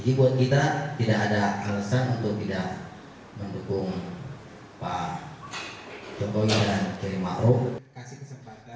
jadi buat kita tidak ada alasan untuk tidak mendukung pak jokowi dan jokowi ma'ruf